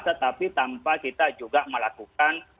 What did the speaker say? tetapi tanpa kita juga melakukan